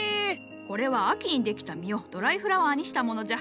これは秋にできた実をドライフラワーにしたものじゃ。